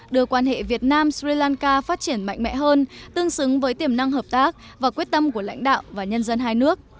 đưa quan hệ việt nam sri lanka phát triển mạnh mẽ hơn tương xứng với tiềm năng hợp tác và quyết tâm của lãnh đạo và nhân dân hai nước